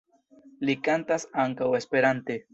Li kantas ankaŭ Esperante.